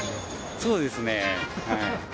そうですね。